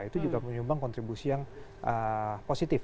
itu juga menyumbang kontribusi yang positif